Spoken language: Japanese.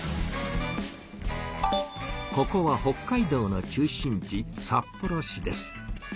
ここは北海道の中心地札幌市です。